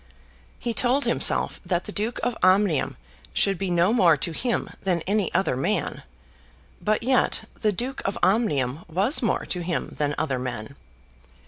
He told himself that the Duke of Omnium should be no more to him than any other man, but yet the Duke of Omnium was more to him than other men.